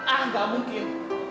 ah gak mungkin